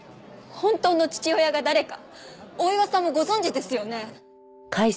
本当の父親が誰か大岩さんもご存じですよね？